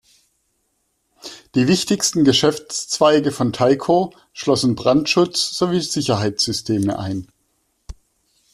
Die wichtigsten Geschäftszweige von Tyco schlossen Brandschutz sowie Sicherheitssysteme ein.